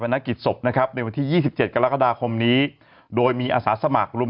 นักกิจศพนะครับในวันที่๒๗กรกฎาคมนี้โดยมีอาสาสมัครรุม